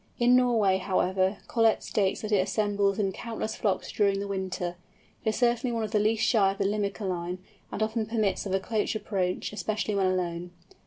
In Norway, however, Collett states that it assembles in countless flocks during the winter. It is certainly one of the least shy of the Limicolæ, and often permits of a close approach, especially when alone.